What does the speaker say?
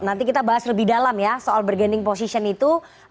nanti kita bahas lebih dalam ya soal bergaining position itu